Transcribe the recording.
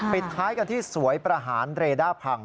ปิดท้ายกันที่สวยประหารเรด้าพัง